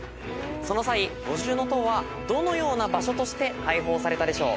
その際五重塔はどのような場所として開放されたでしょう？